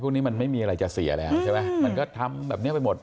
พวกนี้มันไม่มีอะไรจะเสียแล้วใช่ไหมมันก็ทำแบบนี้ไปหมด